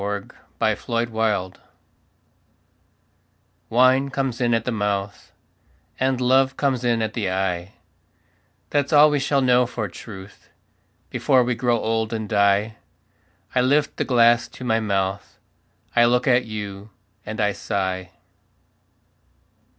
A DRINKING SONG Wine comes in at the mouth And love comes in at the eye; That's all we shall know for truth Before we grow old and die. I lift the glass to my mouth, I look at you, and I sigh.